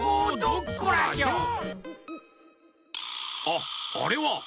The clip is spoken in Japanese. あっあれは！